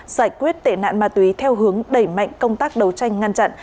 giải quyết tệ nạn ma túy theo hướng đẩy mạnh công tác đấu tranh ngăn chặn